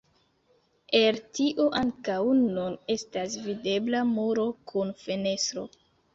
El tio ankaŭ nun estas videbla muro kun fenestro.